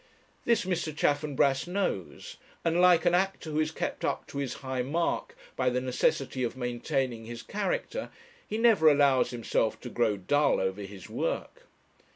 This Mr. Chaffanbrass knows, and, like an actor who is kept up to his high mark by the necessity of maintaining his character, he never allows himself to grow dull over his work.